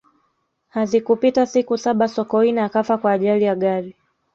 hazikupita siku saba sokoine akafa kwa ajali ya gari